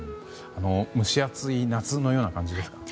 蒸し暑い夏のような感じですか？